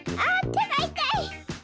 てがいたい！